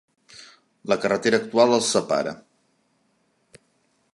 La carretera actual els separa.